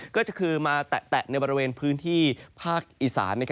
ก็คือมาแตะในบริเวณพื้นที่ภาคอีสาน